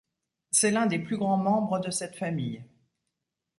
C'est l'un des plus grands membres de cette famille.